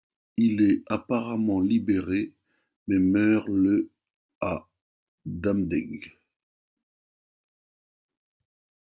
Il est apparemment libéré, mais meurt le à Damdeg.